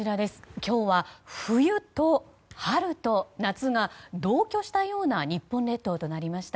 今日は冬と春と夏が同居したような日本列島となりました。